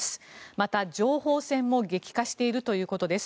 また、情報戦も激化しているということです。